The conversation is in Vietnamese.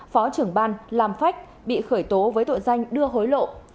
phó trưởng ban làm phách bị khởi tố với tội danh đưa hối lộ